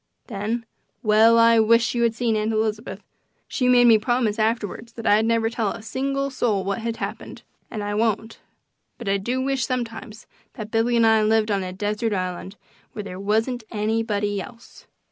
Then well, I wish you had seen Aunt Elizabeth! She made me promise afterwards that I'd never tell a single soul what happened, and I won't. But I do wish sometimes that Billy and I lived on a desert island, where there wasn't anybody else.